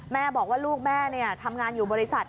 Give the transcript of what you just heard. แม่บอกว่าลูกแม่ทำงานอยู่บริษัท